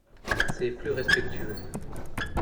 C'est plus respectueux.